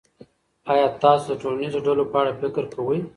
آیا تاسو د ټولنیزو ډلو په اړه فکر کوئ.